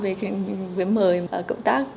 về mời cộng tác